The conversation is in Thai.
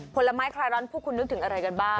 ผลไม้คลายร้อนพวกคุณนึกถึงอะไรกันบ้าง